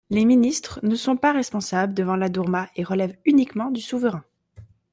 Les ministres ne sont pas responsables devant la Douma et relèvent uniquement du souverain.